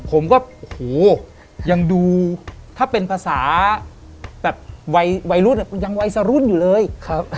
ผมก็โอ้โหยังดูถ้าเป็นภาษาแบบวัยรุ่นอ่ะยังวัยสรุ่นอยู่เลยครับ